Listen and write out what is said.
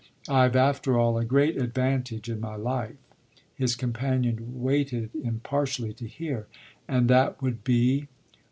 I've after all a great advantage in my life." His companion waited impartially to hear. "And that would be